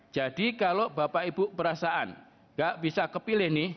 jadi kalau bapak ibu perasaan gak bisa kepilih nih